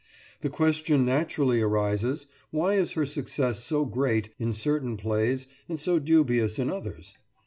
The question naturally arises, why is her success so great in certain plays and so dubious in others?